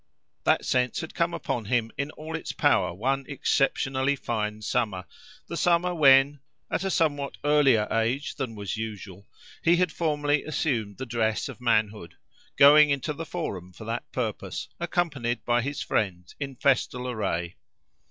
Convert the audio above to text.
That sense had come upon him in all its power one exceptionally fine summer, the summer when, at a somewhat earlier age than was usual, he had formally assumed the dress of manhood, going into the Forum for that purpose, accompanied by his friends in festal array.